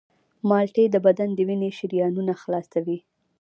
مالټې د بدن د وینې شریانونه خلاصوي.